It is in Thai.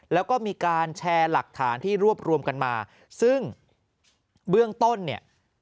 แล้วก็มีการแชร์หลักฐานที่รวบรวมกันมาซึ่งเบื้องต้นเนี่ย